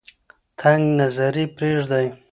تنگ نظري پریږدئ.